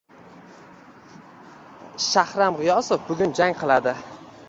Shahram G‘iyosov bugun jang qilading